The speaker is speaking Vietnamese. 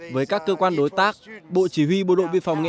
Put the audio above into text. với các cơ quan đối tác bộ chỉ huy bộ đội vi phòng nghệ an